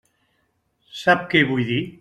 Sap què vull dir?